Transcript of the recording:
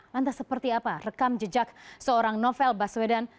lantas seperti apa rekam jejak seorang novel baswedan